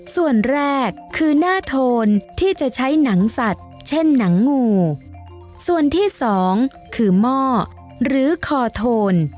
ส่วนแรกคือหน้าโทนที่จะใช้หนังสัตว์เช่นหนังงูส่วนที่สองคือหม้อหรือคอโทน